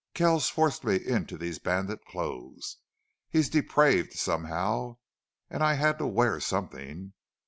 Kells forced me into these bandit clothes. He's depraved, somehow. And I had to wear something.